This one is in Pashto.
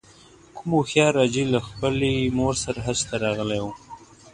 کوم هوښیار حاجي له خپلې مور سره حج ته راغلی و.